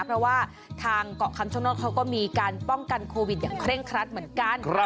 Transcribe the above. เพราะว่าทางเกาะคำชโนธเขาก็มีการป้องกันโควิดอย่างเคร่งครัดเหมือนกัน